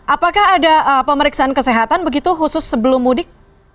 apakah ada pemeriksaan kesehatan begitu khusus sebelum mudik